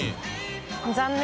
残念。